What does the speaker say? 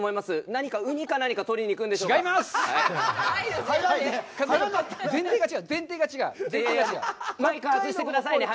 何かウニか何か取りに行くんじゃないでしょうか。